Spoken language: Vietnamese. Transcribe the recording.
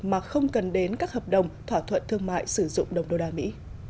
mà không cần đến các hợp đồng thỏa thuận thương mại sử dụng đồng đô la mỹ